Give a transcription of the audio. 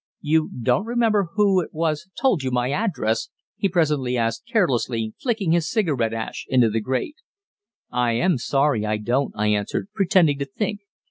"You don't remember who it was told you my address?" he presently asked carelessly, flicking his cigarette ash into the grate. "I am sorry, I don't," I answered, pretending to think.